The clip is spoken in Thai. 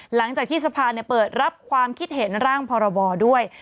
หลังจากที่สภาเปิดรับความคิดเห็นร่างพรบด้วย